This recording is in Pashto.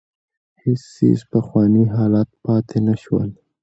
هېڅ څېز په پخواني حالت پاتې نه شول.